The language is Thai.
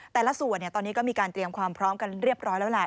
แต่ละส่วนตอนนี้ก็มีการเตรียมความพร้อมกันเรียบร้อยแล้วแหละ